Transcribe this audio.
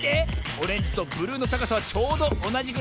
オレンジとブルーのたかさはちょうどおなじぐらい。